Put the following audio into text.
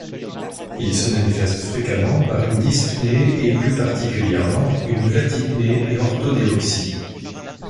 Il se manifeste fréquemment par une dyspnée et plus particulièrement une platypnée et orthodéoxie.